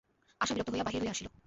আশা বিরক্ত হইয়া বাহির হইয়া আসিল।